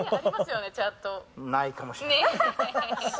ないかもしれない。